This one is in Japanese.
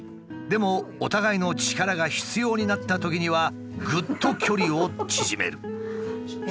でもお互いの力が必要になったときにはぐっと距離を縮める。